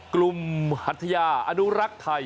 กลุ่มฮัทยาอานุรักษ์ไทย